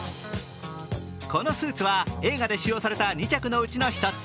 このスーツは映画で使用された２着のうちの１つ。